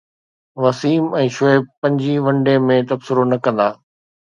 وسيم ۽ شعيب پنجين one day ۾ تبصرو نه ڪندا